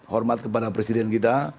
hormat kepada presiden kita